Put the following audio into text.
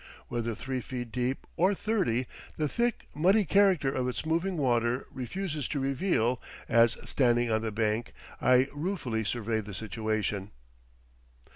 Whether three feet deep or thirty, the thick, muddy character of its moving water refuses to reveal, as, standing on the bank, I ruefully survey the situation.